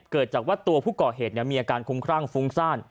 เกิดจากว่าตัวผู้ก่อเหตุมีอาการคุ้มครั่งฟุ้งซ่าน